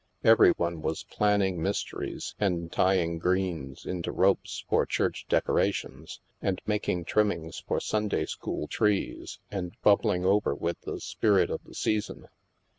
Every one was planning mysteries, and tying greens into ropes for church decorations, and making trimmings for Sunday school trees, and bubbling over with the spirit of the season.